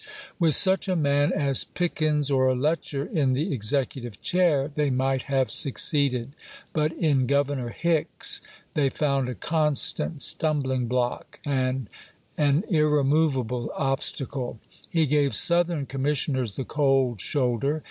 With such a man as Pickens or Letcher in the executive chair they might have succeeded, but in Grovernor Hicks they found a constant stum bling block and an irremovable obstacle. He gave Southern commissioners the cold shoulder.